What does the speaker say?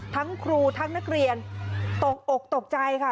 ทั้งครูทั้งนักเรียนตกอกตกใจค่ะ